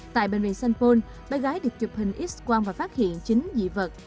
tại bệnh viện sanfone bé gái được chụp hình x quang và phát hiện chính dị vật